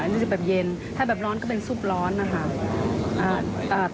นี่คือแบบเย็นถ้าแบบร้อนก็เป็นซุปร้อนนะครับ